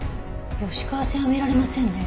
吉川線は見られませんね。